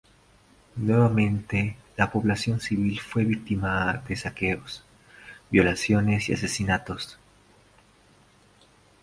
Nuevamente la población civil fue víctima de saqueos, violaciones y asesinatos.